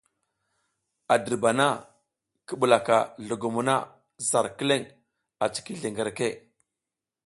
A dirbana ki ɓulaka zlogomo na zar kileŋ a ciki zlengereke.